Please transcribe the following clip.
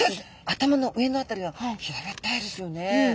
頭の上の辺りは平べったいですよね。